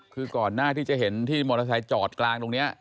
คือก่อนหน้าที่จะเห็นที่มอเตอร์ไซค์จอดกลางตรงนี้